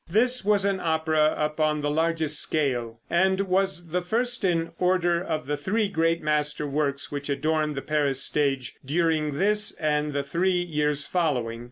This was an opera upon the largest scale, and was the first in order of the three great master works which adorned the Paris stage during this and the three years following.